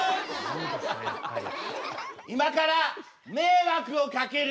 今から迷惑をかけるよ！